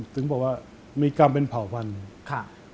ถึงบอกว่ามีกรรมเป็นเผ่าพันธุ์